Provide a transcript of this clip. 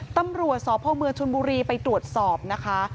ตำรวจสพเมืองชนบุรีไปตรวจสอบนะคะ